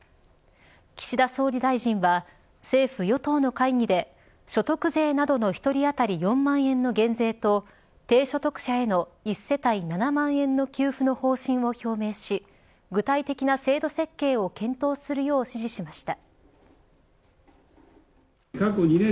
岸田総理大臣は政府与党の会議で所得税などの１人当たり４万円の減税と低所得者への一世帯７万円の給付の方針を表明し具体的な制度設計を検討するよう指示しました。